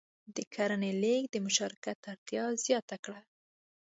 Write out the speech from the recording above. د کرنې لېږد د مشارکت اړتیا زیاته کړه.